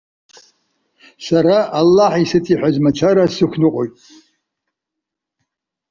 Сара Аллаҳ исыҵеиҳәаз мацара сықәныҟәоит.